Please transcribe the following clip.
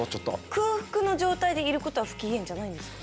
空腹の状態でいることは不機嫌じゃないんですか？